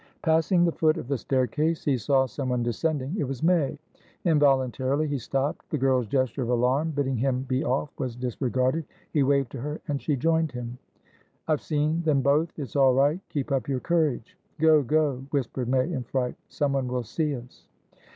Passing the foot of the staircase, he saw someone descending. It was May. Involuntarily he stopped; the girl's gesture of alarm, bidding him be off, was disregarded. He waved to her, and she joined him. "I've seen them both. It's all right. Keep up your courage!" "Go! Go!" whispered May in fright. "Someone will see us."